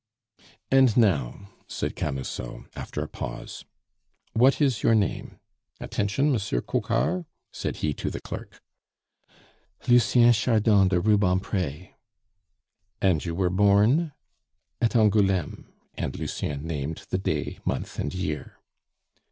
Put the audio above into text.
"And now," said Camusot, after a pause, "what is your name? Attention, Monsieur Coquart!" said he to the clerk. "Lucien Chardon de Rubempre." "And you were born ?" "At Angouleme." And Lucien named the day, month, and year.